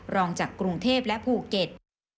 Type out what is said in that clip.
รองจากกรุงเทพและภูเก็ต